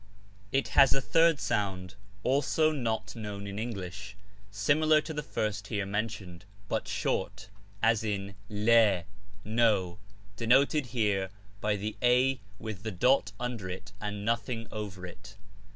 It lias a third sound, also not known in .English, similar to the first here mentioned, but short, as in V la 'no,' denoted here by the a with the dot under it, and nothing over it.